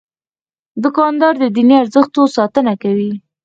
دوکاندار د دیني ارزښتونو ساتنه کوي.